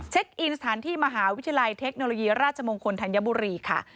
อินสถานที่มหาวิทยาลัยเทคโนโลยีราชมงคลธัญบุรีค่ะ